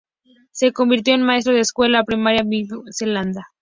Se convirtió en maestro de escuela primaria en Middelburg, Zelanda.